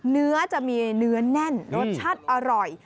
เนื้อจะมีเนื้อแน่นรสชาติอร่อย